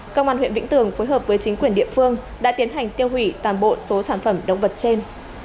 công an huyện vĩnh tường phối hợp với chính quyền địa phương đã tiến hành tiêu hủy toàn bộ số sản phẩm động vật trên